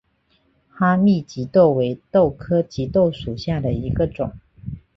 哈密棘豆为豆科棘豆属下的一个种。